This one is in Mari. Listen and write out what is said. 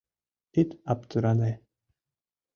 Ит аптыране.